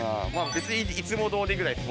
別にいつも通りぐらいです